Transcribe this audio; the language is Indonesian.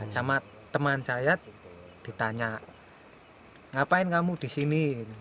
sama teman saya ditanya ngapain kamu di sini